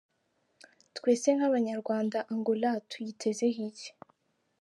Twe se nk’Abanyarwanda Angola tuyitezeho iki?